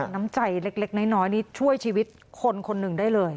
น้ำใจเล็กน้อยนี่ช่วยชีวิตคนคนหนึ่งได้เลย